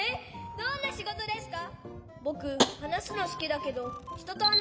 どんなしごとですか？